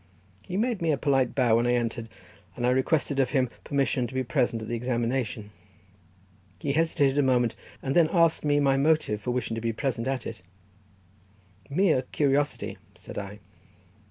He made me a polite bow when I entered, and I requested of him permission to be present at the examination. He hesitated a moment, and then asking me my motive for wishing to be present at it. "Merely curiosity," said I.